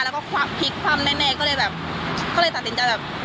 แล้วก็พลิกความแน่ก็เลยตัดสินใจแบบ